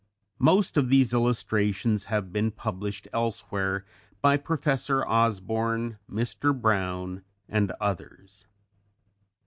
Most of these illustrations have been published elsewhere by Professor Osborn, Mr. Brown and others.